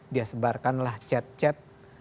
dia sebarkanlah chat chat